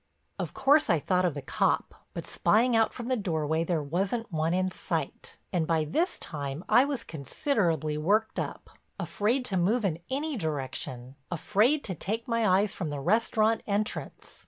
Of course I thought of the cop, but spying out from the doorway, there wasn't one in sight. And by this time I was considerably worked up, afraid to move in any direction, afraid to take my eyes from the restaurant entrance.